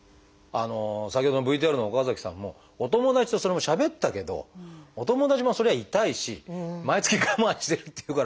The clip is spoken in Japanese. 先ほどのＶＴＲの岡崎さんもお友達とそれもしゃべったけどお友達もそりゃ痛いし毎月我慢してるっていうから。